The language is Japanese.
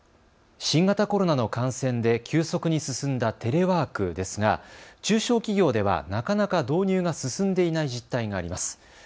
新型コロナの感染で急速に進んだテレワークですが中小企業ではなかなか導入が進んでいない実態があります。